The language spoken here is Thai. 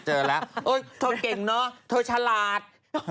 เจอแล้วเธอเก่งเนอะเธอฉลาด